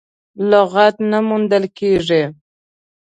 لغت نه موندل کېږي.